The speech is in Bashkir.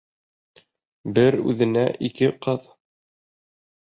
Бер үҙеңә ике ҡыҙ!